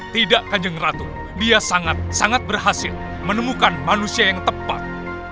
tidak kanjeng ratu dia sangat sangat berhasil menemukan manusia yang tepat